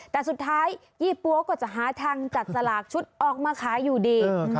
แต่สุดท้ายยี่ปั๊วก็จะหาทางจัดสลากชุดออกมาขายอยู่ดี